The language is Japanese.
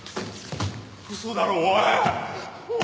嘘だろおい。